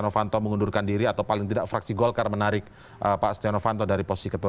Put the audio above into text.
novanto mengundurkan diri atau paling tidak fraksi golkar menarik pak setia novanto dari posisi ketua